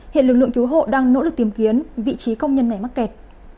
hiện lực lượng cứu hộ đang nỗ lực tìm kiếm vị trí công nhân này mắc kẹt